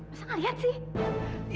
masa gak lihat sih